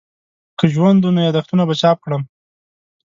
که ژوند وو نو یادښتونه به چاپ کړم.